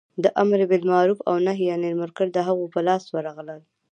د امر بالمعروف او نهې عن المنکر د هغو په لاس ورغلل.